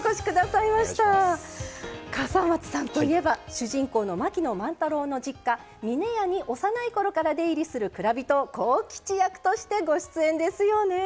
笠松さんといえば主人公の槙野万太郎の実家峰屋に幼いころから出入りする蔵人・幸吉役としてご出演ですよね。